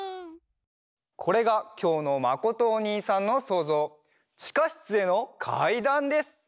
これがきょうのまことおにいさんのそうぞう「ちかしつへのかいだん」です！